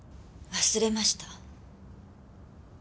忘れました。